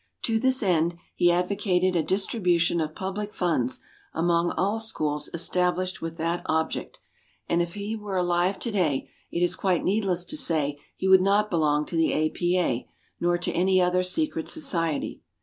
To this end he advocated a distribution of public funds among all schools established with that object; and if he were alive today it is quite needless to say he would not belong to the A.P.A. nor to any other secret society.